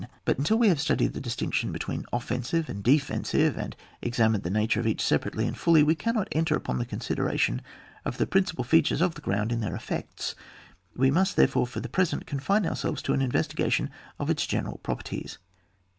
But untn we have studied the distinc tion between offensive and defensive, and examined the nature of each separately and fully, we cannot enter upon the con sideration of the principal features of the ground in their effects ; we must there fore for the present confine' ourselves to an investigation of its general properties.